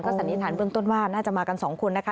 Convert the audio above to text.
สันนิษฐานเบื้องต้นว่าน่าจะมากันสองคนนะคะ